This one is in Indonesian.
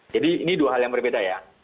jadi ini dua hal yang berbeda ya